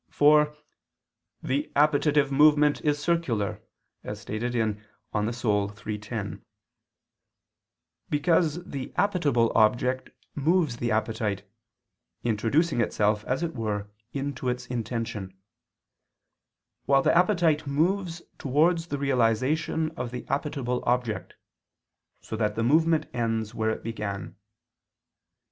For "the appetitive movement is circular," as stated in De Anima iii, 10; because the appetible object moves the appetite, introducing itself, as it were, into its intention; while the appetite moves towards the realization of the appetible object, so that the movement ends where it began.